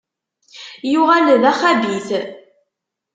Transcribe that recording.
Yuɣal d axabit.